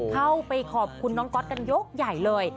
เข้าไปขอบคุณน้องก๊อตกันยกใหญ่เลย